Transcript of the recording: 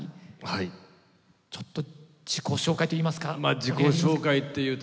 ちょっと自己紹介といいますか。